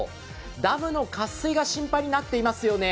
ダムの渇水が心配になっていますよね。